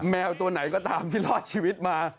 แมวตัวไหนก็ตามที่รอดชีวิตมา